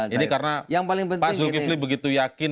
ini karena pak zulkifli begitu yakin